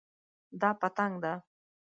دا پتنګ ده